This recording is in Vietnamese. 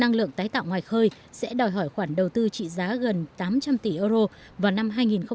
năng lượng tái tạo ngoài khơi sẽ đòi hỏi khoản đầu tư trị giá gần tám trăm linh tỷ euro vào năm hai nghìn hai mươi